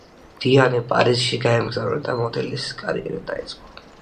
დიანე პარიზში გაემგზავრა და მოდელის კარიერა დაიწყო.